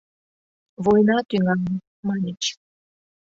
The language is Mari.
«Война тӱҥалын!» — маньыч.